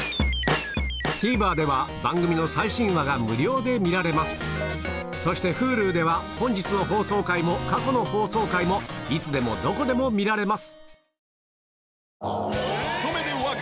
ＴＶｅｒでは番組の最新話が無料で見られますそしてＨｕｌｕでは本日の放送回も過去の放送回もいつでもどこでも見られます